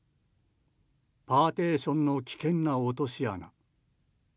パーティションの危険な落とし穴。